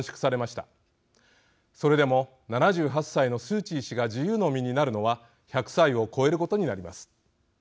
それでも７８歳のスー・チー氏が自由の身になるのは１００歳を超えることになります。